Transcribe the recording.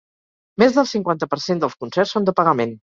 Més del cinquanta per cent dels concerts són de pagament.